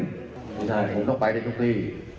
ใช่มันต้องไปได้ทุกที่